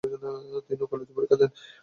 তিনি উকালতি পরীক্ষা দেন।